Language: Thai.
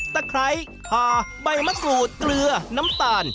ไคร้คาใบมะกรูดเกลือน้ำตาล